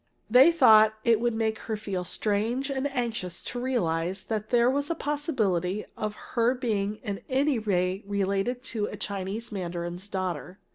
They thought it would make her feel strange and anxious to realize that there was a possibility of her being in any way related to a Chinese mandarin's daughter.